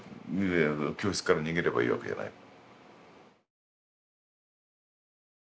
教室から逃げればいいわけじゃない。